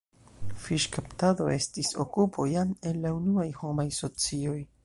Fiŝkaptado estis okupo jam el la unuaj homaj socioj.